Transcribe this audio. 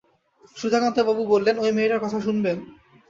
সুধাকান্তবাবু বললেন, ঐ মেয়েটার কথা শুনবেন?